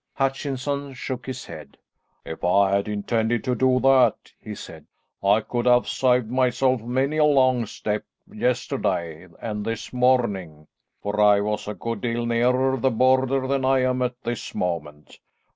Hutchinson shook his head. "If I had intended to do that," he said, "I could have saved myself many a long step yesterday and this morning, for I was a good deal nearer the Border than I am at this moment.